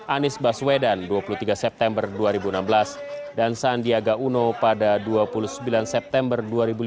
anies baswedan dua puluh tiga september dua ribu enam belas dan sandiaga uno pada dua puluh sembilan september dua ribu lima belas